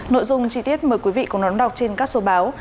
nội dung chi tiết mời quý vị cùng đón đọc trên các số báo